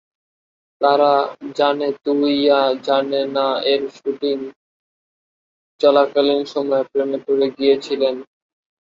তারা জানে তু ইয়া জানে না এর শুটিং চলাকালীন সময়ে প্রেমে পড়ে গিয়েছিলেন।